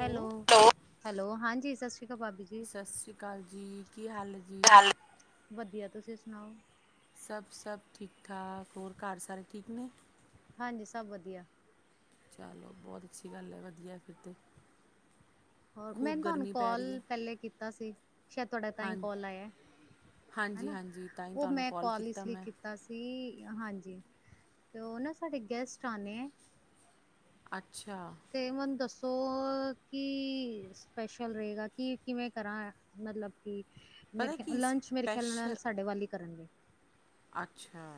Hello. ਹੈਲ ਹਾਂਜੀ ਸਿ ਸ਼੍ਰੀ ਅਕਾਲ ਭਾਬੀ ਜੀ। ਸਤਿ ਸ਼੍ਰੀ ਅਕਾਲ ਜੀ ਕੀ ਹਾਲ ਹੈ ਜੀ। ਚੱਲ ਵਧੀਆ ਤੁਸੀਂ ਸੁਣਾਓ। ਸਭ-ਸਭ ਠੀਕ-ਠਾਕ ਹੋਰ ਘਰ ਸਾਰੇ ਠੀਕ ਨੇ। ਹਾਂਜੀ ਸਭ ਵਧੀਆ। ਚਲੋ ਬਹੁਤ ਅੱਛੀ ਗੱਲ ਹੈ, ਵਧੀਆ ਫਿਰ ਤਾਂ। ਹੋਰ ਮੈ ਖੂਬ ਤੁਹਾਨੂੰ ਗਰਮੀ ਪੈ ਰਹੀ ਕਾਲ ਹੈ ਪਹਿਲੇ ਕੀਤਾ ਸੀ ਸ਼ਾਇਦ ਤੁਹਾਡਾ ਹਾਂ ਤਾਈ ਕਾਲ ਆਇਆ ਹਾਂਜੀ ਹਨਾ। ਹਾਂਜੀ ਤਾਂ ਹੀ ਉਹ ਤੁਹਾਨੂੰ ਮੈਂ ਕਾਲ ਇਸ ਲਈ ਮੈਂ ਕੀਤਾ ਸੀ ਹਾਂਜੀ ਤੇ ਉਹ ਨਾ ਸਾਡੇ ਗੈਸਟ ਆਨੇ ਐਂ। ਅੱ ਤੇ ਮੈਨੂੰ ਦੱਸ ਤੋਂ ਕੀ ਸਪੈਸ਼ਲ ਰਹੇਗਾ ਕਿ ਕਿਵੇਂ ਕਰਾਂ ਮਤਲਬ ਕਿ ਪਤਾ ਮੇਰੇ ਖ ਕੀ ਲੰਚ ਮੇਰੇ ਖਿਆਲ ਨਾਲ ਸਪੈਸ਼ਲ ਸਾਡੇ ਵੱਲ ਹੀ ਕਰਨਗੇ। ਅੱਛਾ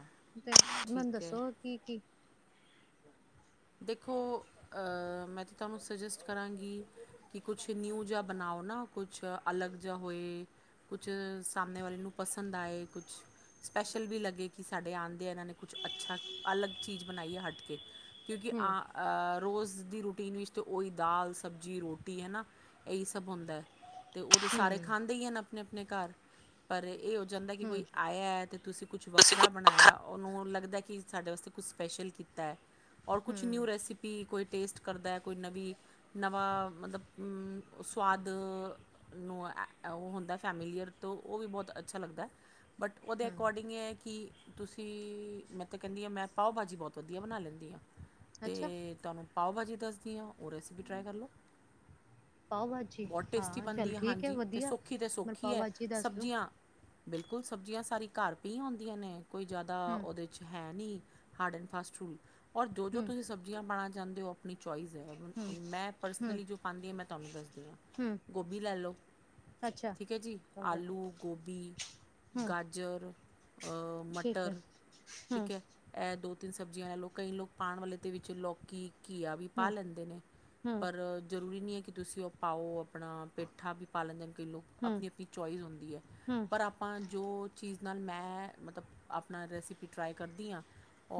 ਤੇ ਮੈਨੂੰ ਠੀਕ ਹੈ ਦੱਸੋ ਕੀ-ਕੀ ਦੇਖੋ ਮੈਂ ਤਾਂ ਤੁਹਾਨੂੰ ਸੁਜੈਸਟ ਕਰਾਂਗੀ ਕਿ ਕੁਛ ਨਿਊ ਜਾ ਬਣਾਓ ਨਾ ਕੁਛ ਅਲੱਗ ਜਾ ਹੋਏ ਕੁਛ ਸਾਹਮਣੇ ਵਾਲਿਆਂ ਨੂੰ ਪਸੰਦ ਆਏ ਕੁਛ ਸਪੈਸ਼ਲ ਵੀ ਲੱਗੇ ਕਿ ਸਾਡੇ ਆਂਦੇ ਆ ਇਹਨਾਂ ਨੇ ਕੁਛ ਅੱਛਾ ਅਲੱਗ ਚੀਜ਼ ਬਣਾਈ ਐ ਹਟ ਕੇ ਕਿਉਂਕਿ ਹੂੰ ਆ ਰੋਜ਼ ਦੀ ਰੂਟੀਨ ਵਿੱਚ ਤਾਂ ਉਹੀ ਦਾਲ ਸਬਜ਼ੀ ਰੋਟੀ ਹੈ ਨਾ ਇਹੀ ਸਭ ਹੁੰਦਾ। ਅਤੇ ਉਹ ਤਾਂ ਸਾਰੇ ਹੂੰ ਖਾਂਦੇ ਹੀ ਹੈ ਆਪਣੇ ਆਪਣੇ ਘਰ ਪਰ ਇਹ ਹੋ ਜਾਂਦਾ ਕਿ ਕੋਈ ਹੂੰ ਆਇਆ ਤੇ ਤੁਸੀਂ ਕੁਛ ਵੱਖਰਾ ਬਣਾਇਆ ਉਹਨੂੰ ਲੱਗਦਾ ਕਿ ਸਾਡੇ ਵਾਸਤੇ ਕੁਛ ਸਪੈਸ਼ਲ ਕੀਤਾ ਐ। ਔਰ ਕੁਛ ਨਿਊ ਹੂੰ ਰੈਸਿਪੀ ਕੋਈ ਟੇਸਟ ਕਰਦਾ ਕੋਈ ਨਵੀਂ ਨਵਾਂ ਮਤਲਬ ਸੁਆਦ ਨੂੰ ਉਹ ਹੁੰਦਾ ਫੈਮਲੀਅਰ ਤੋਂ ਉਹ ਵੀ ਬਹੁਤ ਅੱਛਾ ਲੱਗਦਾ। ਬਟ ਉਹਦੇ ਹੂੰ ਅਕੌਡਿੰਗ ਇਹ ਹੈ ਕਿ ਤੁਸੀਂ ਮੈਂ ਤਾਂ ਕਹਿੰਦੀ ਹਾਂ ਮੈਂ ਪਾਓ ਭਾਜੀ ਬਹੁਤ ਵਧੀਆ ਬਣਾ ਲੈਂਦੀ ਹਾਂ। ਅੱਛਾ ਤੇ ਤੁਹਾਨੂੰ ਪਾਓ-ਭਾਜੀ ਦੱਸਦੀ ਹਾਂ। ਉਹ ਰੈਸਪੀ ਟਰਾਈ ਕਰ ਲਓ ਪਾਓ ਭਾਜੀ ਬਹੁਤ ਟੇਸਟੀ ਹਾਂ ਚੱਲ ਬਣਦੀ ਹੈ, ਠੀਕ ਹਾਂਜੀ ਅਤੇ ਵਧੀਆ ਸੌਖੀ ਅਤੇ ਮੈਨੂੰ ਸੌਖੀ ਪਾਓ ਹੈ ਭਾਜੀ ਦੱਸ ਦੋ ਸਬਜ਼ੀਆਂ ਬਿਲਕੁਲ ਸਬਜ਼ੀਆਂ ਸਾਰੀ ਘਰ ਵੀ ਆਉਂਦੀਆਂ ਨੇ ਕੋਈ ਜ਼ਿਆਦਾ ਹੂੰ ਉਹਦੇ ਚ ਹੈ ਨੀ। Hard and fast rule. ਔਰ ਜੋ ਜੋ ਹੂੰ ਤੁਸੀਂ ਸਬਜ਼ੀਆਂ ਪਾਣਾ ਚਾਹੁੰਦੇ ਹੋ [inaudible] ਚੋਇਸ ਹੈ ਹੂੰ ਮੈਂ ਹੂੰ ਪਰਸਨਲੀ ਜੋ ਪਾਂਦੀ ਹਾਂ ਮੈਂ ਤੁਹਾਨੂੰ ਦੱਸਦੀ ਹਾਂ, ਹੂੰ ਗੋਭੀ ਲੈ ਲਓ ਅੱਛਾ ਠੀਕ ਹੈ ਜੀ ਚਲ ਜਾ ਆਲੂ, ਗੋਭੀ, ਹੂੰ ਗਾਜਰ ਠੀਕ ਹੈ ਮਟਰ ਹੂੰ ਠੀਕ ਹੈ ਇਹ ਦੋ ਤਿੰਨ ਸਬਜ਼ੀਆਂ ਲੈਲੋ। ਕਈ ਲੋਕ ਪਾਣ ਵਾਲੇ ਦੇ ਵਿੱਚ ਲੌਕੀ ਘੀਆ ਵੀ ਪਾ ਹੂੰ ਲੈਂਦੇ ਨੇ ਹੂੰ ਪਰ ਜ਼ਰੂਰੀ ਨਹੀਂ ਹੈ। ਕਿ ਤੁਸੀਂ ਉਹ ਪਾਓ, ਆਪਣਾ ਪੇਠਾ ਵੀ ਪਾਲ ਲੈਂਦੇ ਕਈ ਲੋਕ ਹੂੰ ਆਪਣੀ ਆਪਣੀ ਚੋਆਇਸ ਹੁੰਦੀ ਹੈ ਹੂੰ ਪਰ ਆਪਾਂ ਜੋ, ਚੀਜ਼ ਨਾਲ ਮੈਂ ਮਤਲਬ ਆਪਣਾ ਰੈਸਪੀ ਟਰਾਈ ਕਰਦੀ ਹਾਂ।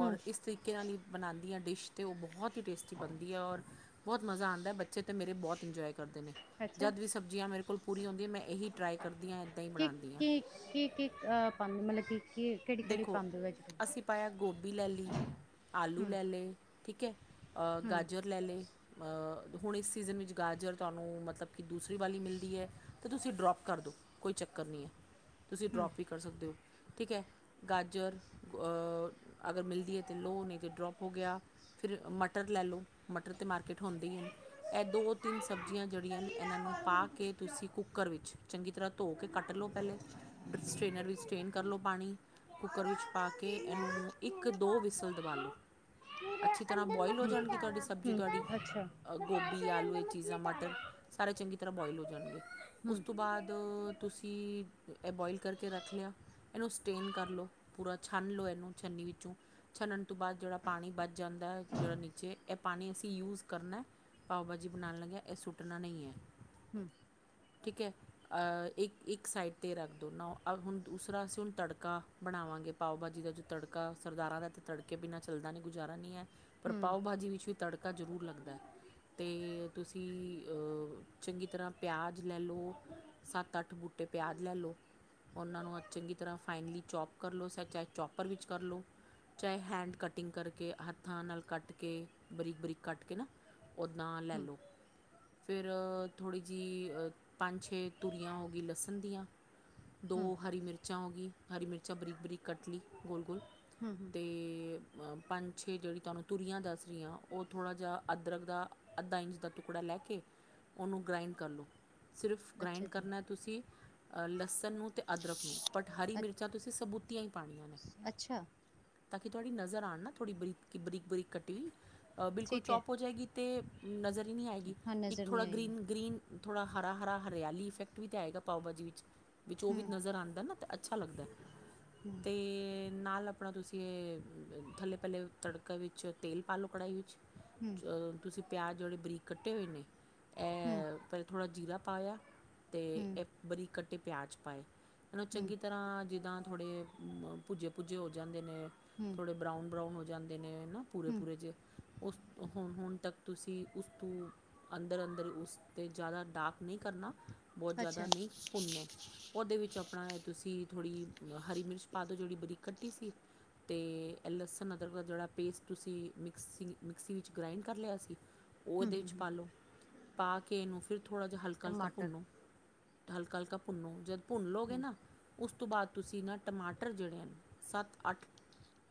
ਹੂੰ ਇਸ ਤਰੀਕੇ ਬਣਾਉਂਦੀ ਹਾਂ ਡਿਸ਼ ਅਤੇ ਉਹ ਬਹੁਤ ਹੁ ਟੇਸਟੀ ਬਣਦੀ ਔਰ ਬਹੁਤ ਮਜ਼ਾ ਆਂਦਾ, ਬੱਚੇ ਤੇ ਮੇਰੇ ਬਹੁਤ ਇੰਜੋਏ, ਕਰਦੇ ਨੇ ਅੱਛਾ ਜਦ ਵੀ ਸਬਜ਼ੀਆਂ ਮੇਰੇ ਕੋਲ ਪੂਰੀਆਂ ਆਦੀਆਂ ਮੈਂ ਇਹੀ ਟਰਾਈ ਕਰਦੀ ਹਾਂ ਇੱਦਾਂ ਹੀ ਕੀ ਬਣਾਨੀ ਹਾਂ ਕੀ ਕੀ ਕੀ ਪਾਉਂਦੇ ਮਤਲਬ ਕਿ ਕੀ ਕਿਹੜੀ ਕਿਹੜੀ ਦੇਖੋ ਪਾਉਂਦੇ ਵੈਜੀਟੇਬਲ ਅਸੀਂ ਪਾਇਆ ਗੋਭੀ ਲੈਲੀ ਆਲੂ ਹੂੰ ਲੈ ਲੇ, ਠੀਕ ਹੈ, ਹੂੰ ਗਾਜਰ ਲੈ ਲੀ, ਹੁਣ ਇਸ ਸੀਜ਼ਨ ਵਿੱਚ ਗਾਜਰ ਤੁਹਾਨੂੰ ਮਤਲਬ ਕੀ ਦੂਸਰੀ ਵਾਲੀ ਮਿਲਦੀ ਹੈ ਤਾਂ ਤੁਸੀਂ ਡਰੋਪ ਕਰ ਦਿਉ ਕੋਈ ਚੱਕਰ ਨਹੀਂ ਹੈ। ਤੁਸੀਂ ਹੂੰ ਡਰੋਪ ਵੀ ਕਰ ਸਕਦੇ ਹੋ, ਠੀਕ ਹੈ ਗਾਜਰ ਅਗਰ ਮਿਲਦੀ ਹੈ ਤਾਂ ਲੋ ਹੋ ਨਹੀਂ, ਜੇ ਡਰੋਪ ਹੋ ਗਿਆ ਫਿਰ ਮਟਰ ਲੈ ਲਓ, ਮਟਰ ਤਾਂ ਮਾਰਕੀਟ ਹੁੰਦੇ ਹੀ ਹਨ ਇਹ ਦੋ ਤਿੰਨ ਸਬਜ਼ੀਆਂ ਜਿਹੜੀਆਂ ਮੈਂ ਇਹਨਾਂ ਨੂੰ ਪਾ ਕੇ ਤੁਸੀਂ ਕੁੱਕਰ ਵਿੱਚ ਚੰਗੀ ਤਰ੍ਹਾਂ ਧੋ ਕੇ ਕੱਟ ਲਓ ਪਹਿਲੇ ਡਿਕਸ ਟ੍ਰੇਨਰ ਵਿੱਚ ਸਟ੍ਰੇਨ ਕਰ ਲਉ ਪਾਣੀ ਕੁੱਕਰ ਵਿੱਚ ਪਾ ਕੇ ਇਹਨੂੰ ਇੱਕ ਨਾ ਦੋ ਬਾਹਰ ਸੋ ਵਿਸਲ ਦਬਾ ਰਹੀ ਹਾਂ ਲਉ। ਅੱਛੀ ਤਰ੍ਹਾਂ ਬੋਆਇਲ ਹੋ ਜਾਣਗੀ ਤੁਹਾਡੀ ਸਬਜ਼ੀ ਤੁਹਾਡੀ ਗੋਭੀ ਆਲੂ ਇਹ ਚੀਜ਼ਾਂ ਮਟਰ ਸਾਰੇ ਚੰਗੀ ਤਰ੍ਹਾਂ ਜਾਣਗੇ ਹੂੰ ਉਸ ਤੋਂ ਬਾਅਦ ਤੁਸੀਂ ਇਹ ਬੋਇਲ ਕਰਕੇ ਰੱਖ ਲਿਆ ਇਹਨੂੰ ਸਟੇਨ ਕਰ ਲਓ ਪੂਰਾ। ਛਾਨ ਲਓ ਇਹਨੂੰ ਛਨੀ ਵਿੱਚੋਂ ਛਨਣ ਤੋਂ ਬਾਅਦ। ਜਿਹੜਾ ਪਾਣੀ ਬਚ ਜਾਂਦਾ ਜਿਹੜਾ ਨੀਚੇ ਇਹ ਪਾਣੀ ਅਸੀਂ ਯੂਜ ਕਰਨਾ ਪਾਓ ਭਾਜੀ ਬਣਾਣ ਲੱਗਿਆ ਇਹ ਸੁੱਟਣਾ ਨਹੀਂ ਹੈ। ਹੂੰ, ਠੀਕ ਹੈ ਅਹ ਇੱਕ ਇੱਕ ਸਾਈਡ ਤੇ ਰੱਖ ਦੋ ਨਾ ਹੁਣ ਦੂਸਰਾ ਅਸੀਂ ਹੁਣ ਤੜਕਾ ਬਣਾਵਾਂਗੇ ਪਾਓ ਭਾਜੀ ਦਾ ਜੋ ਤੜਕਾ ਸਰਦਾਰਾਂ ਦਾ ਤੇ ਤੜਕੇ ਬਿਨਾਂ ਚੱਲਦਾ ਨਹੀਂ ਗੁਜਾਰਾ ਨਹੀਂ ਹੈ। ਪਰ ਹੂੰ ਪਾਓ ਭਾਜੀੀ ਵਿੱਚ ਵੀ ਤੜਕਾ ਜ਼ਰੂਰ ਲੱਗਦਾ ਅਤੇ ਤੁਸੀਂ ਚੰਗੀ ਤਰ੍ਹਾਂ ਪਿਆਜ਼ ਲੈ ਲਓ ਸੱਤ ਅੱਠ ਬੂਟੇ ਪਿਆਜ਼ ਲੈ ਲਓ ਉਹਨਾਂ ਨੂੰ ਚੰਗੀ ਤਰ੍ਹਾਂ ਫਾਈਨਲੀ ਚੋਪ ਕਰ ਲਓ ਚਾਹੇ ਚੋਪਰ ਵਿੱਚ ਕਰ ਲਉ ਚਾਹੇ ਹੈਂਡ ਕੱਟ ਕਰਕੇ ਹੱਥਾਂ ਨਾਲ, ਕੱਟ ਕੇ ਬਰੀਕ-ਬਰੀਕ ਕੱਟ ਕੇ ਨਾ ਉੱਦਾਂ ਲੈ ਹੂੰ ਲਉ ਫਿਰ ਥੋੜ੍ਹੀ ਜਿਹੀ ਪੰਜ ਛੇ ਤੂਰੀਆਂ ਹੋ ਗਈ ਲਸਣ ਦੀਆਂ ਹੂੰ ਦੋ ਹਰੀ ਮਿਰਚਾਂ ਹੋ ਗਈ ਹਰੀ ਮਿਰਚ ਛਾ ਬਰੀਕ ਬਰੀਕ ਕਟਲੀ ਗੋਲ ਗੋਲ, ਹੂੰ ਹੂੰ ਤੇ, ਪੰਜ ਛੇ ਜਿਹੜੀ ਤੁਹਾਨੂੰ ਤੁਰੀਆਂ ਦੱਸ ਰਹੀਆਂ ਉਹ ਥੋੜ੍ਹਾ ਜਿਹਾ ਅਦਰਕ ਦਾ ਅੱਧਾ ਇੰਚ ਦਾ ਟੁਕੜਾ ਲੈ ਕੇ ਉਹਨੂੰ ਗ੍ਰਾਇੰਡ ਕਰ ਲਉ। ਸਿਰਫ ਅੱਛਾ ਗ੍ਰਾਈੰਡ ਜੀ ਕਰਨਾ ਤੁਸੀਂ, ਲਸਣ ਨੂੰ ਤੇ, ਅਦਰਕ ਨੂੰ ਬਟ ਹਰੀ ਅ ਮਿਰਚਾਂ ਤੁਸੀਂ ਸਬੂਤੀਆਂ ਹੀ, ਪੜਨਾ, ਅੱਛਾ, ਤਾਂ ਕਿ ਤੁਹਾਡੀ ਨਰ ਜ਼ਰ ਆਉਣ ਨਾ ਥੋੜ੍ਹ ਬਰੀਕ ਬਰੀਕ ਬਰੀਕ ਕਟੀ ਹੋਈ ਬਿਲਕੁਲ ਠੀਕ ਹੈ ਚੌਪ ਹੋ ਜਾਏਗੀ ਤੇ ਨਜ਼ਰ ਨਹੀਂ ਹੈਗੀ ਹਾਂ ਇੱਕ ਨਜ਼ਰ ਨਹੀਂ ਥੋੜਾ ਆਏਗੀ ਗ੍ਰੀਨ ਗ੍ਰੀਨ ਥੋੜਾ ਹਰਾ ਹਰਾ ਹਰਿਆਲੀ ਇਫੈਕਟ ਵੀ ਤਾਂ ਆਏਗਾ ਪਾਓ ਭਾਜੀ ਵਿੱਚ ਵਿੱਚ ਉਹ ਹੂੰ ਵੀ ਨਜ਼ਰ ਆਉਂਦਾ ਨਾ ਤਾਂ ਅੱਛਾ ਲੱਗਦਾ ਤੇ ਨਾਲ ਆਪਣਾ ਤੁਸੀਂ ਇਹ ਥੱਲੇ ਪਹਿੱਲ ਤੜਕਾ ਵਿੱਚ ਤੇਲ ਪਾ ਲਉ ਕੜਾਹੀ ਵਿੱਚ ਹੂੰ ਚਲੋ ਤੁਸੀਂ ਪਿਆਜ਼ ਜੜੇ ਬਰੀਕ ਕੱਟੇ ਹੋਏ ਨੇ ਹੂੰ ਇਹ ਪਹਿਲਥੋੜਾ ਜੀਰਾ ਪਾਇਆ ਅਤੇ ਹੂੰ ਇਹ ਬਰੀਕ ਕੱਟਟੀ ਪਿਆਜ਼ ਪਾਏ ਇਹਨੂੰ ਹੂੰ ਚੰਗੀ ਤਰ੍ਹਾਂ ਜਿੱਦਾਂ ਥੋੜੇ ਭੱਜੇ ਭੁੱਜੇ ਹੋ ਜਾਂਦੇ ਨੇ ਹੂੰ ਥੋੜੇ ਬਰਾਊਨ ਬਰਾਊਨ ਜਾਂਦੇ ਨੇ ਨਾ ਪੂਰੇ ਹੂੰ ਪੂਰੇ 'ਚ ਉਸ ਹੁਣ ਹੁਣ ਤੱਕ ਤੁਸੀਂ ਉਸ ਤੋਂ ਅੰਦਰ ਅੰਦਰ ਉਸ 'ਤੇ ਜ਼ਿਆਦਾ ਡਾਕ ਨਹੀਂ ਕਰਨਾ ਬਹੁਤ ਜ਼ਿਆਦਾ ਅੱਛਾ ਨਹੀਂ ਭੁੰਨੇ ਉਹਦੇ ਵਿੱਚ ਆਪ ਆਪਣਾ ਤੁਸੀਂ ਥੋੜ੍ਹੀ ਹਰੀ ਮਿਰਚ ਪਾ ਦਿਉ ਜਿਹੜੀ ਬਰੀਕ ਕੱਟੀ ਸੀ ਅਤੇ ਲਸਣ ਅਦਰ ਜਿਹੜਾ ਪੇਸਟ ਤੁਸੀਂ ਮਿਕਸੀ ਮਿਕਸੀ ਵਿੱਚ ਗ੍ਰਾਇੰਡ ਕਰ ਲਿਆ ਸੀ ਹੂੰ ਉਹਦੇ ਹੂੰ ਵਿੱਚ ਹੂੰ ਪਾਲੋ ਪਾ ਕੇ ਇਹਨੂੰ ਫਿਰ ਥੋੜਾ ਜਿਹਾ ਹਲਕਾ ਹਲਕਾ ਟਮਾਟਰ ਭੁੰਨਾ ਹਲਕਾ ਹਲਕਾ ਭੁੰਨੋ ਜਦ ਭੁੰਨ ਲਓਗੇ ਹੂੰ ਨਾ ਉਸ ਉਸ ਤੋਂ ਬਾਅਦ ਤੁਸੀਂ ਨਾ ਟਮਾਟਰ ਜਿਹੜੇ ਹਨ ਸੱਤ ਅੱਠ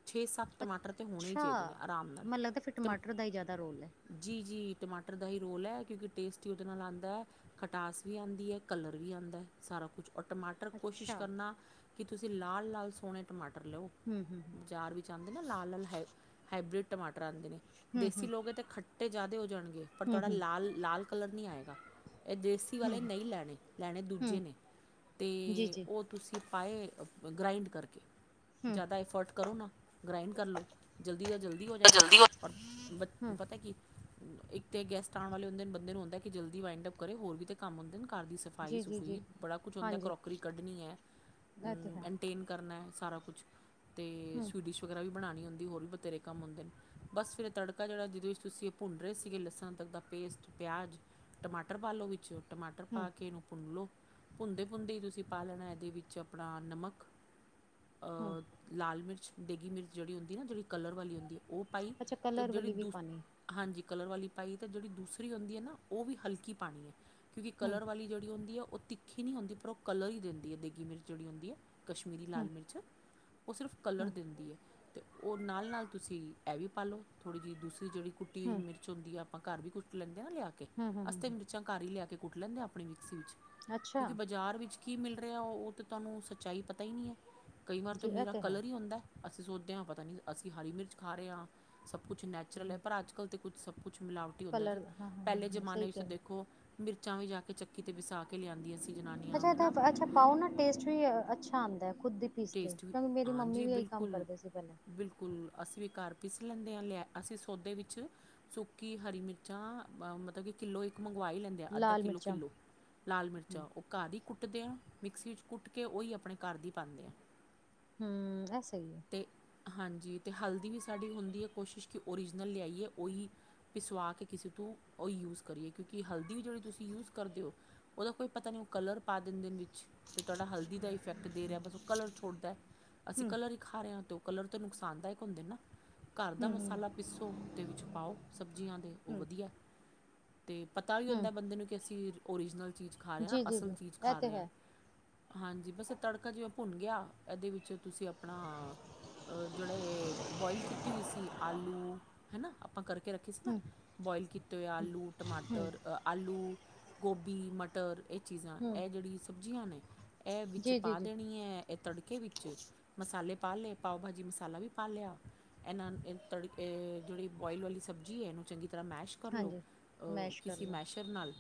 ਛੇ ਸੱਤ ਟਮਾਟਰ ਤਾਂ ਹੋਣੇ ਹੀ ਅੱਛਾ ਚਾਹੀਦੇ ਨੇ ਆਰਾਮ ਨਾਲ ਮੈਨੂੰ ਲੱਗਦਾ ਫਿਰ ਟਮ ਟਮਾਟਰ ਦਾ ਹੀ ਜ਼ਿਆਦਾ ਰੋਲ ਹੈ ਜੀ ਜੀ ਟਮਾਟਰ ਦਾ ਹੀ ਰੋਲ ਹੈ ਕਿਉਂਕਿ ਟੇਸਟ ਹੀ ਉਹਦੇ ਨਾਲ ਆਉਂਦਾ ਹੈ ਖਟਾਸ ਵੀ ਆਉਂਦੀ ਹੈ ਕਲਰ ਵੀ ਆਉਂਦਾ ਸਾਰਾ ਕੁਛ ਔਰ ਟਮਾਟਰ ਕੋਸ਼ਿਸ਼ ਅੱਛਾ ਕਰਨਾ ਕੀ ਤੁਸੀਂ ਲਾਲ ਲਾਲ ਸੋਹਣੇ ਟਮਾਟਰ ਲਓ ਹੂੰ ਹੂੰ ਬਾਜ਼ਾਰ ਵਿੱਚ ਆਉਂਦੇ ਨਾ ਲਾਲ-ਲਾਲ ਹਾਈ ਹਾਈਬ੍ਰਿਡ ਟਮਾਟਰ ਆਂਦੇ ਨੇ ਹੂੰ ਦੇਸੀ ਹੂੰ ਲੋਗੇ ਤਾਂ ਖੱਟ ਟੇ ਜ਼ਿਆਦਾ ਹੋ ਜਾਣਗੇ। ਪਰ ਹੂੰ ਤੋਂਡਾ ਹੂੰ ਲਾਲ ਲਾਲ ਕਲਰ ਨਹੀਂ ਆਏਗਾ। ਏਹ ਦੇਸੀ ਵਾਲੇ ਹੂੰ ਨਹੀਂ ਲੈਣੇ, ਲੈਣੇ ਦੂਜੇ ਹੂੰ ਨੇ ਤੇ ਜੀ ਜੀ ਉਹ ਤੁਸੀਂ ਪਾਏ ਗ੍ਰਾਇੰਡ ਕਰਕੇ ਹੂੰ ਜ਼ਿਆਦਾ ਐਫੋਰਡ ਕਰੋ ਨਾ ਗ੍ਰਇੰਡ ਕਰ ਲਉ ਜਲਦੀ ਤੋਂ ਜਲਦੀ ਹੋ ਜਾਏਗਾ। ਜਲਦੀ ਔਰ ਬ ਹੂੰ, ਪਤਾ ਕਿ ਇੱਕ ਤੇ ਗੈਸਟ ਆਉਣ ਵਾਲੇ ਹੁੰਦੇ ਬੰਦੇ ਨੂੰ ਹੁੰਦਾ ਕਿ ਜਲਦੀ ਵਾਇੰਡ ਅਪ ਕਰੇ ਹੋਰ ਵੀ ਕੰਮ ਹੁੰਦੇ ਨੇ। ਘਰ ਦੀ ਜੀ-ਜੀ-ਜੀ, ਸਫਾਈ-ਸਫੂਈ ਬੜਾ ਕੁਝ ਹੁੰਦਾ ਹਾਂਜੀ ਕਰੋਕਰੀ ਕੱਢਣੀ ਹੈ, ਇਹ ਤੇ ਹੈ। ਮੈਨਟੇਨ ਕਰਨਾ ਸਾਰਾ ਕੁਛ ਤੇ ਹੂੰ, ਸਵੀਡਿਸ਼ ਵਗੈਰਾ ਵੀ ਬਣਾਉਣੀ ਹੁੰ ਦੀ ਹੋਰ ਵੀ ਬਥੇਰੇ ਕੰਮ ਹੁੰਦੇ ਨੇ। ਬਸ ਫਿਰ ਇਹ ਤੜਕਾ ਜਿਹੜਾ ਜਿਹਦੇ ਵਿੱਚ ਤੁਸੀਂ ਉਹ ਭੁੰਨ ਰਹੇ ਸੀਗੇ ਲਸਣ ਤੱਕ ਦਾ ਪੇਸਟ ਪਿਆਜ ਟਮਾਟਰ ਪਾ ਲਓ ਵਿੱਚ ਟਮਾਟਰ ਹੂੰ, ਪਾ ਕੇ ਇਹਨੂੰ ਭੁੰਨ ਲਓ। ਭੁਨਦੇ-ਭੁਨਦੇ ਹੀ ਤੁਸੀਂ ਪਾ ਲੈਣਾ ਇਹਦੇ ਵਿੱਚ ਆਪਣਾ ਨਮਕ ਹੂੰ ਆ ਲਾਲ ਮਿਰਚ ਦੇਗੀ ਮਿਰਚ ਜਿਹੜੀ ਹੁੰਦੀ ਨਾ ਜਿਹੜੀ ਕਲਰ ਵਾਲੀ ਹੁੰਦੀ ਹੈ ਉਹ ਪਾਈ ਅੱਛਾ ਅਤੇ ਕਲਰ ਜਿਹੜੀ ਵਾਲੀ ਵੀ ਦੂਸ ਪਾਣੀ ਆ। ਹਾਂਜੀ ਕਲਰ ਵਾਲੀ ਪਾਈ ਅਤੇ ਜਿਹੜੀ ਦੂਸਰੀ ਹੁੰਦੀ ਹੈ ਨਾ ਉਹ ਵੀ ਹਲਕੀ ਪਾਣੀ ਆ। ਕਿਉਂਕਿ ਹੂੰ, ਕਲਰ ਵਾਲੀ ਜਿਹੜੀ ਹੁੰਦੀ ਆ ਓ ਉਹ ਤਿੱਖੀ ਨਹੀਂ ਹੁੰਦੀ ਪਰ ਉਹ ਕਲਰ ਹੀ ਦਿੰਦੀ ਹੈ ਡੇਗੀ ਮਿਰਚ ਹੁੰਦੀ ਹੈ। ਕਸ਼ਮੀਰੀ ਹੂੰ, ਹੂੰ, ਲਾਲ ਮਿਰਚ। ਉਹ ਸਿਰਫ਼ ਕਲਰ ਹੂੰ, ਦਿੰਦੀ ਹੈ ਤੇ ਉਹ ਨਾਲ-ਨਾਲ ਤੁਸੀਂ ਇਹ ਵੀ ਪਾ ਲੋ ਥੋੜ੍ਹੀ ਜਿਹੀ ਦੂਸਰੀ ਜਿਹੜੀ ਕੁੱਟੀ ਹੋਈ ਹੂੰ, ਮਿਰਚ ਹੁੰਦੀ ਆ। ਆਪਾਂ ਘਰ ਵੀ ਕੁੱਟ ਲੈਂਨ ਨਾ ਲਿਆ ਕੇ ਹੂੰ, ਅਸੀਂ ਤਾਂ ਹੂੰ ਮਿਰਚਾਂ ਘਰ ਹੀ ਲਿਆ ਕੇ ਕੁੱਟ ਲੈਂਦੇ ਆ ਆਪਣੀ ਮਿਕਸੀ ਵਿੱਚ ਅੱਛਾ ਕਿਉਂਕਿ ਬਾਜ਼ਾਰ ਵਿੱਚ ਕਿ ਮਿਲ ਰਿਹਾ ਉਹ ਤਾਂ ਤੁਹਾਨੂੰ ਸੱਚਾਈ ਪਤਾ ਹੀ ਨਹੀਂ ਹੈ। ਕਈ ਵਾਰ ਤਾਂ ਜੀ ਇਹ ਮੀਂਰਾ ਤੇ ਹੈ। ਕਲਰ ਈ ਹੁੰਦਾ। ਅਸੀਂ ਸੋਚਦੇ ਹਾਂ ਪਤਾ ਨੀ ਅਸੀਂ ਹਰੀ ਮਿਰਚ ਖਾ ਰਹੇ ਹਾਂ। ਸਭ ਕੁਛ ਨੈਚੁਰਲ ਹੈ ਪਰ ਅੱਜ ਕੱਲ ਤੇ, ਹੁਣ ਸਭ ਕੁਛ, ਕੁਛ ਮਿਲਾਵਟੀ ਹੁੰਦਾ ਜੀ ਕਲਰ ਪਹਿਲੇ ਹਾਂ-ਹਾਂ ਜਮਾਨੇ ਸਹੀ ਵਿੱਚ ਕਹਿ ਰਹੇ ਦੇਖੋ ਮਿਰ ਚਾਵੇ ਵੀ ਜਾ, ਕਿ ਚੱਕੀ ਤੇ ਪਿਸਾ ਕੇ ਲਿਆਂਂਦੀਆਂ ਸੀ ਜਨਾਨੀਆਂ ਅੱਛਾ ਹੈ ਨਾ, ਆਦਾ ਹੈ। ਟੇਸਟ ਵੀ ਹਾਂਜੀ ਕੰਮ ਕਰਦੇ ਸੀ ਪਹਿਲੇ ਬਿਲਕੁਲ-ਬਿਲਕੁਲ ਅਸੀਂ ਵੀ ਘਰ ਪੀਿਸ ਲੈਂਦੇ ਹਾਂ ਲਿਆ ਅਸੀਂ ਸੌਦੇ ਵਿੱਚ ਸੁੱਕੀ ਹਰੀ ਮਿਰਚਾਂ ਅ ਮਤਲਬ ਕਿ ਕਿੱਲੋ ਇੱਕ, ਮੰਗਵਾਈ ਲੈਂਦੇ ਆ ਅੱਧਾ ਲਾਲ ਮਿਰਚਾਂ ਕਿੱਲੋ-ਕਿੱਲੋ ਲਾਲ ਹੂੰ ਮਿਰਚਾਂ ਉਹ ਘਾਹ ਦੀ ਕੁੱ ਕੁੱਟਦੇ ਹਾਂ ਮਿਕਸੀ ਵਿੱਚ ਕੁੱਟ ਕੇ ਉਹੀ ਆਪਣੇ ਘਰ ਦੀ ਪਾਦੇ ਆ, ਹੂੰ, ਐ ਤੇ [unintelligible] ਹਾਂਜੀ ਅਤੇ ਹਲਦੀ ਵੀ ਸਾਡੀ ਹੁੰਦੀ ਹੈ ਕੋਸ਼ਿਸ਼ ਕਿ ਔਰੀਜਨਲ ਲਿਆਈਏ ਉਹੀ ਪਿਸਵਾ ਕੇ ਕਿਸੇ ਤੋਂ ਉਹੀ ਯੂਜ਼ ਕਰੀਏ ਕਿਉਂਕਿ ਹਲਦੀ ਵੀ ਜਿਹੜੀ ਤੁਸੀਂ ਯੂਜ਼ ਕਰਦੇ ਹੋ ਉਹਦਾ ਕੋਈ ਪਤਾ ਨਹੀਂ ਉਹ ਕਲਰ ਪਾ ਦਿੰਦੇ ਨੇ ਵਿੱਚ ਅਤੇ ਤੁਹਾਡਾ ਹਲਦੀ ਦਾ ਇਫੈਕਟ ਦੇ ਰਿਹਾ ਬਸ ਉਹ ਕਲਰ ਛੋਟਦਾ ਅਸੀਂ ਹੂੰ, ਕਲਰ, ਤੋਂ ਕਲਰ ਤੇ ਨੁਕਸਾਨਦਾਇਕ ਹੁੰਦੇ ਨਾ, ਘਰ ਦਾ ਹੂੰ, ਮਸਾਲਾ ਹੂੰ, ਪੀਸੋ ਦੇ ਵਿੱਚ ਪਾਓ ਸਬਜ਼ੀਆਂ ਦੇ ਉਹ ਹੂੰ, ਵਧੀਆ ਅਤੇ ਪਤਾ ਵੀ ਹੁੰਦਾ ਹੂੰ ਬੰਦੇ ਨੂੰ ਕਿ ਅਸੀਂ, ਔਰੀਜਨਲ, ਚੀਜ਼ ਖਾ ਰਿਹਾ ਅਸਲ ਜੀ-ਜੀ-ਜੀ ਚੀਜ਼ ਇਹ ਖਾ ਤੇ ਰਿਹੇ ਹਾਂ ਹੈ। ਹਾਂਜੀ ਬਸ ਤੜਕਾ ਜਿ ਭੁਨ ਗਿਆ ਇਹਦੇ ਵਿੱਚ ਤੁਸੀਂ ਆਪ ਆਪਣਾ, ਜਿਹੜਾ ਬੋਆਇਲ ਕੀਤੀ ਹੋਈ ਸੀ ਆਲੂ ਹਨਾ, ਆਪਾਂ ਕਰਕੇ ਰੱਖੀ ਸੀ ਨਾ ਹੂੰ, ਬੋਇਲ ਕੀਤੇ ਹੋਏ ਆਲੂ ਹੂੰ, ਟਮਾਟਰ ਆਲੂ ਗੋਭੀ, ਮਟਰ, ਚੀਜ਼ਾਂ ਹੂੰ ਇਹ ਜਿਹੜੀ ਸਭ ਸਬਜੀਆਂ ਨੇ [unintelligible] ਇਹ ਵਿੱਚ ਪਾ ਜੀ-ਜੀ-ਜੀ ਦੇਣੀ ਹੈ ਇਹ ਤੜਕੇ ਵਿੱਚ ਮਸਾਲੇ ਪਾ ਲਏ ਪਾਓ ਭਾਜੀ ਮਸਾਲਾ ਵੀ ਪਾ ਲਿਆ ਇਹਨਾਂ ਤੜ ਜਿਹੜੀ ਬੋਇਲ ਵਾਲੀ ਸਬਜ਼ੀ ਹੈ ਇਹਨੂੰ ਚੰਗੀ ਤਰ ਤਰ੍ਹਾਂ ਮੈਸ਼ ਕਰ ਲਉ ਹਾਂਜੀ ਮੈਸ਼ ਕਰ ਕਿਸੇ ਲੋ ਮੈਸ਼ਰ ਨਾਲ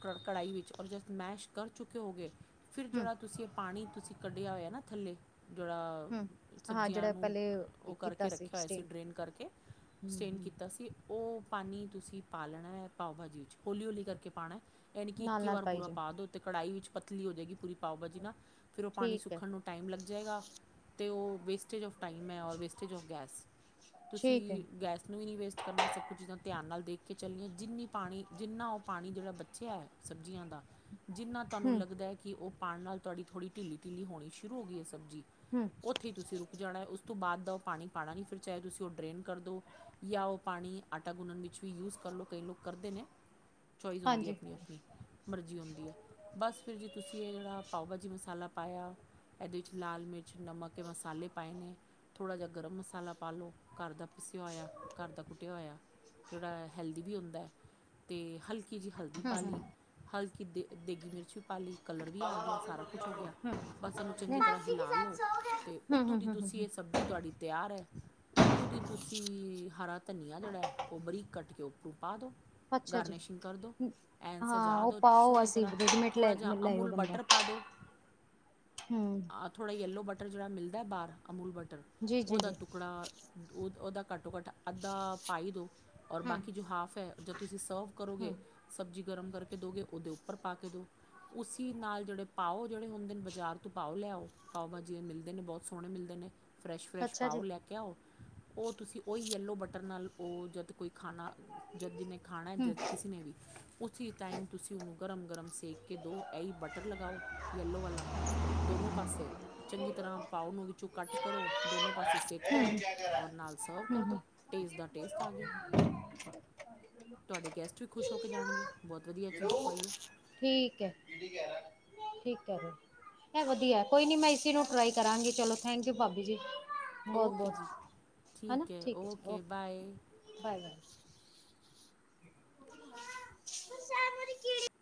ਕੜਾਹੀ ਵਿੱਚ ਔਰ ਜਸਟ ਮੈਸ਼ ਕਰ ਚੁੱਕੇ ਹੋ ਗਏ। ਫਿਰ ਹੂੰ ਜਿਹੜਾ ਤੁਸੀਂ ਇਹ ਪਾਣੀ ਤੁਸੀਂ ਕੱਢਿਆ ਹੋਇਆ ਨਾ ਥੱਲੇ ਜਿਹੜਾ ਹੂੰ ਹਾਂ ਸਬਜ਼ੀਆਂ ਜਿਹੜਾ ਨੂੰ ਪਹਿਲੇ ਉਹ ਕੀਤਾ ਕਰਕੇ ਰੱਖਿਆ ਹੋਇਆ ਸੀ ਸਟੇਨ ਡਰੇਨ ਕਰਕੇ ਹੂੰ ਸਟੇਨ ਹੂੰ ਕੀਤਾ ਸੀ। ਉਹ ਪਾਣੀ ਤੁਸੀਂ ਪਾ ਲੈਣਾ ਪਾਓ ਭਾਜੀ ਵਿੱਚ ਹੌਲੀ ਹੌਲੀ ਕਰਕੇ ਪਾਉਣਾ। ਇਹ ਨੀ ਕਿ ਨਾਲ ਇੱਕੀ ਨਾਲ ਵਾਰ ਪਾਈ ਪੂਰਾ ਜਾਓ ਪਾ ਦੋ ਤੇ ਕੜਾਹੀ ਵਿੱਚ ਪਤਲੀ ਹੋ ਜਾਏਗੀ ਪੂਰੀ ਪਾਓ ਭਾਜੀ ਨਾ। ਫਿਰ ਉਹ ਪਾਣੀ ਠੀਕ ਹੈ ਸੁੱਕਣ ਨੂੰ ਟਾਈਮ ਲੱਗ ਜਾਏਗਾ। ਅਤੇ ਉਹ ਵੇਸਟੇਜ ਆਫ ਟਾਈਮ ਹੈ ਔਰ ਵੇਸਟੇਜ ਔਫ ਗੈਸ, ਤੁਸੀਂ ਠੀਕ ਹੈ ਗੈਸ ਨੂੰ ਵੀ ਨਹੀਂ ਵੇਸਟ ਕਰਨਾ ਸਭ ਕੁਝ ਚੀਜ਼ਾਂ ਧਿਆਨ ਨਾਲ ਦੇਖ ਕੇ ਚੱਲੀਏ ਜਿੰਨੀ ਪਾਣੀ ਜਿੰਨਾ ਉਹ ਪਾਣੀ ਜਿਹੜਾ ਬਚਿਆ ਹੈ ਸਬਜ਼ੀਆਂ ਦਾ, ਜਿੰਨਾ ਤੁਹਾਨੂੰ ਹੂੰ ਲੱਗਦਾ ਹੈ ਕਿ ਉਹ ਪਾਉਣ ਨਾਲ ਤੁਹਾਡੀ ਥੋੜ੍ਹੀ ਢਲੀ ਢਿੱਲੀ ਹੋਣੀ ਸ਼ੁਰੂ ਹੋ ਗਈ ਹੈ ਸਬੀ, ਹੂੰ ਉੱਥੇ ਹੀ ਤੁਸੀਂ ਰੁਕ ਜਾਣਾ ਤੋਂ ਬਾਅਦ ਦਾ ਉਹ ਪਾਣੀ ਪਾਉਣਾ ਨਹੀਂ ਫਿਰ ਚਾਹੇ ਤੁਸੀਂ ਉਹ ਡਰੇਨ ਕਰ ਦਿਉ ਜਾਂ ਉਹ ਪਾਣੀ ਆਟਾ ਗੁੰਨਣ ਵਿੱਚ ਵੀ ਯੂਜ ਕਰ ਲਉ ਕਈ ਲੋਕ ਕਰਦੇ ਨੇ। ਚੋਇਸ ਹੁੰਦੀ ਹੈ ਹਾਂਜੀ ਆਪਣੀ ਆਪਣੀ ਮਰਜ਼ੀ ਹੁੰਦੀ ਹੈ ਬਸ ਫਿਰ ਜੀ ਤੁਸੀਂ ਇਹ ਜਿਹੜਾ ਪਾਓ ਮਸਾਲਾ ਪਾਇਆ ਇਹਦੇ ਵਿੱਚ ਲਾਲ ਮਿਰਚ ਕੁਛ ਨਮਕ ਮਸਾਲੇ ਪਾਏ ਨੇ। ਥੋੜ੍ਹਾ ਜਿਹਾ ਗਰਮ ਮਸਾਲਾ ਪਾ ਲਉ ਘਰ ਦਾ, ਪਿਸਿਆ ਹੋਇਆ ਘਰ ਦਾ ਕੁੱਟਿਆ ਹੋਇਆ ਜਿਹੜਾ ਹੈਲਦੀ ਵੀ ਹੁੰਦਾ। ਅਤੇ ਹਲਕੀ ਜਿਹੀ ਹਲਦੀ ਹੂੰ ਪਾ ਹੂੰ ਲਈ ਹਲ ਕਿ ਦੇ ਦੇਗੀ ਮਿਰਚ ਪਾਲੀ ਕਲਰ ਵੀ ਆ ਗਿਆ ਸਾਰਾ ਕੁਛ ਹੋ ਗਿਆ ਹੂੰ ਬਸ ਇਹਨੂੰ ਚੰਗੀ ਤਰ੍ਹਾਂ ਮਾਸੀ ਕੇ ਹਿਲਾ ਸਾਥ ਲਓ। ਸੋ ਗਏ। ਅਤੇ ਹੂੰ ਉੱਤੋਂ ਹੂੰ ਦੀ ਹੂੰ ਹੂੰ ਤੁਸੀਂ ਹੂੰ ਇਹ ਸਬਜ਼ੀ ਤੁਹਾਡੀ ਤਿਆਰ ਹੈ ਉੱਤੋਂ ਦੀ ਤੁਸੀਂ ਹਰਾ ਧਨੀਆ ਜਿਹੜਾ ਹੈ ਉਹ ਬਰੀਕ ਕੱਟ ਕੇ ਉੱਪਰੋਂ ਪਾਦੋ ਅੱਛਾ ਜੀ ਗਾਰਨਿਸ਼ਿੰਗ ਕਰ ਦਿਓ, ਤੇ ਚੰਗੀ ਤਰ੍ਹਾਂ ਹਾਂ ਸਜਾ ਉਹ ਦਿਓ, ਪਾਓ ਅਸੀਂ ਰੈਡੀਮੇਡ ਥੋੜ੍ਹਾ ਲੈ ਜਿਹਾ ਲੈਓ ਅਮੂਲ ਬੰਦਾ ਬਟਰ ਪਾ ਦਿਓ, ਹੂੰ ਤੇ ਥੋੜ੍ਹਾ ਪੀਲਾ ਬਟਰ ਵੀ ਪਾ ਦਿਓ। ਮਿਲਦਾ ਬਾਹਰ ਅਮੂਲ ਬੱਟ ਜੀ ਜੀ ਉਹਦਾ ਜੀ ਟੁਕੜਾ ਉਹਦਾ ਘੱਟੋ ਘੱਟ ਅੱਧਾ ਪਾਈ ਦਿਉ। ਔਰ ਹੂੰ ਬਾਕੀ ਜੋ ਹਾਫ ਹੈ ਜਦ ਤੁਸੀਂ ਸਰਵ ਕਰੋਗੇ ਹੂੰ ਸਬਜ਼ੀ, ਗਰਮ ਕਰਕੇ ਦੋਗੇ ਉਹਦੇ ਉੱਪਰ ਪਾ ਕੇ ਦੋ ਉਸੀ ਨਾਲ ਜਿਹੜੇ ਪਾਓ ਜਿਹੜੇ ਹੁੰਦੇ ਨੇ ਬਾਜ਼ਾਰ ਤੋਂ ਪਾਓ ਲਿਆਓ ਪਾਓ ਬਾਜੀ ਜਿਵੇ ਮਿਲਦੇ ਨੇ ਬਹੁਤ ਸੋਹਣੇ ਮਿਲਦੇ ਨੇ। ਫਰੈਸ਼ ਫਰੈਸ਼ ਅੱਛਾ ਜੀ ਪਾਓ ਲੈ ਕੇ ਆਓ। ਉਹ ਤੁਸੀਂ ਉਹੀ ਯੈਲੋ ਬਟਰਨ ਨਾਲ ਉਹ ਜਦ ਕੋਈ ਖਾਣਾ, ਜਦ ਜਿਹਨੇ ਖਾਣਾ ਹੂੰ ਜ ਕਿਸੇ ਨੇ ਵੀ ਉਸ ਟਾਈਮ ਤੁਸੀਂ ਉਹਨੂੰ ਗਰਮ ਗਰਮ ਸੇਕ ਕੇ ਦਉ ਐ ਹੀ ਬਟਰ ਲਗਾਓ ਯੈਲੋ ਵਾਲਾ ਦੋਨੋਂ ਪਾਸੇ। ਚੰਗੀ ਤਰ੍ਹਾਂ ਪਾਓ ਨੂੰ ਵਿੱਚੋਂ ਕੱਟ ਕਰੋ ਦੋਨੋ ਪਾਸੇ ਸੇਕ ਕੋ ਔਰ ਨਾਲ ਸਰਵ ਹੂੰ ਕਰ ਦੋ, ਹੂੰ ਟੇਸਟ ਦਾ ਟੇਸਟ ਆ ਗਿਆ। ਤੁਹਾਡੇ ਗੈਸਟ ਵੀ ਖੁਸ਼ ਹੋ ਕੇ ਜਾਣਗੇ ਬਹੁਤ ਵਧੀਆ ਚੀਜ਼ ਖਵਾਈ ਐ। ਠੀਕ ਐ, ਠੀਕ ਕੈਰੇ ਓ, ਵਧੀਆ ਕੋਈ ਨੀਂ ਮੈਂ ਇਸੇ ਨੂੰ ਟਰਾਈ ਕਰਾਂਗੀ, ਚਲੋ ਥੈਂਕ ਯੂ ਭਾਬੀ ਜੀ। ਓਕੇ ਬਹੁਤ-ਬਹੁਤ ਜੀ ਹਨਾਂ! ਠੀਕ ਓਕੇ ਬਾਏ ਬਾਏ। [unintelligible]